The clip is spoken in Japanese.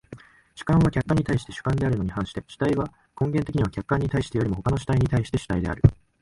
主観は客観に対して主観であるに反して、主体は根源的には客観に対してよりも他の主体に対して主体である。